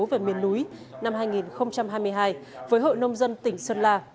về miền núi năm hai nghìn hai mươi hai với hội nông dân tỉnh sơn la